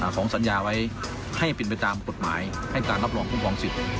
ของสัญญาไว้ให้เป็นไปตามกฎหมายให้การรับรองคุ้มครองสิทธิ์